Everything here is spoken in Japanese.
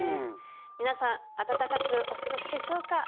皆さん暖かくお過ごしでしょうか？